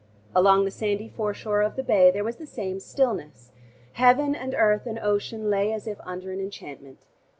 Along the sandy foreshore of the bay there was the same stillness: heaven and earth and ocean lay as if under an enchantment.